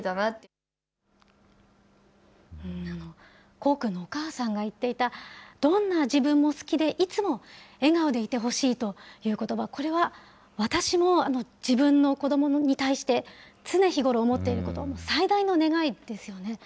功君のお母さんが言っていたどんな自分も好きで、いつも笑顔でいてほしいということば、これは私も自分の子どもに対して、常日頃思っていることの最大の願いですよね。